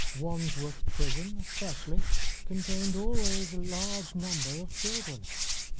Wandsworth Prison, especially, contained always a large number of children.